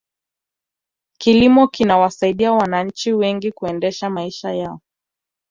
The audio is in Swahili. kilimo kinawasaidia wananchi wengi kuendesha maisha yao